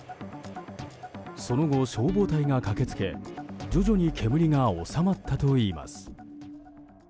その後、消防隊が駆け付け徐々に煙が収まったといいます。